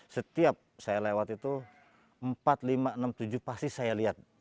setiap saya lewat itu empat lima enam tujuh pasti saya lihat